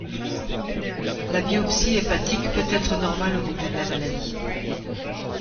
La biopsie hépatique peut être normale au début de la maladie.